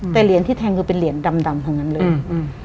แต่เหรียญที่แทงคือเป็นเหรียญดำเขานั้นเลยนะหึ้ม